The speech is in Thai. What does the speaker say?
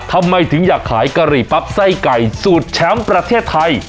ทำไมถึงอยากขายกะหรี่ปั๊บไส้ไก่สูตรแชมป์ประเทศไทย